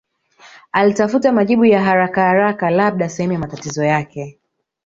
Alitafuta majibu ya harakaharaka labda sehemu ya matatizo yake